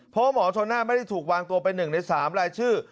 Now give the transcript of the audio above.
เพราะหมอชนนั่นไม่ได้ถูกวางตัวเป็นหนึ่งใน๓รายชื่อ